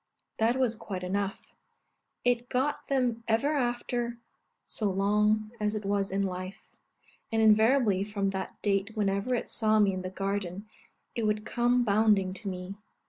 That was quite enough; it got them ever after, so long as it was in life; and invariably from that date whenever it saw me in the garden, it would come bounding to me.